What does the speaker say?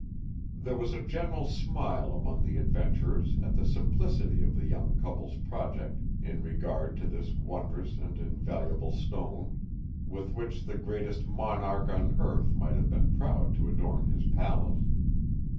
There was a general smile among the adventurers at the simplicity of the young couple's project in regard to this wondrous and invaluable stone, with which the greatest monarch on earth might have been proud to adorn his palace.